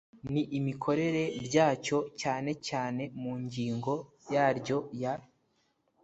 n imikorere byacyo cyane cyane mu ngingo yaryo ya